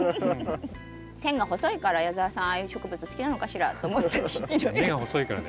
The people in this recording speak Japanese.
線が細いから矢澤さんああいう植物好きなのかしらって思ったり。